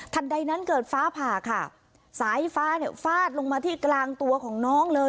ใดนั้นเกิดฟ้าผ่าค่ะสายฟ้าเนี่ยฟาดลงมาที่กลางตัวของน้องเลย